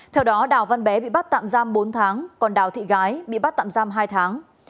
theo đó đào văn bé bị bắt tạm giam bốn tháng còn đào thị gái bị bắt tạm giam hai tháng